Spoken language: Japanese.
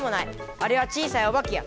あれは小さいオバケや！